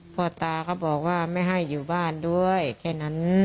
พ่อตาเขาบอกว่าไม่ให้อยู่บ้านด้วยแค่นั้น